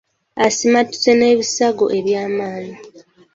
Asimattuse n’ebisago ebyamaanyi.